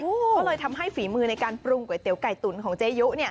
ก็เลยทำให้ฝีมือในการปรุงก๋วยเตี๋ไก่ตุ๋นของเจยุ